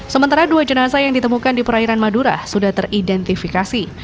sementara dua jenazah yang ditemukan di perairan madura sudah teridentifikasi